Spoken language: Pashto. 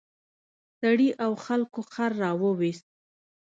سړي او خلکو خر راوویست.